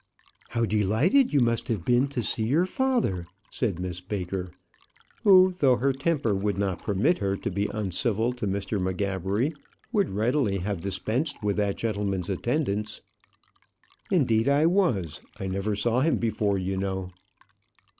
"How delighted you must have been to see your father!" said Miss Baker, who, though her temper would not permit her to be uncivil to Mr. M'Gabbery, would readily have dispensed with that gentleman's attendance. "Indeed, I was. I never saw him before, you know."